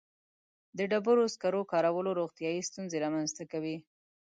• د ډبرو سکرو کارولو روغتیایي ستونزې رامنځته کړې.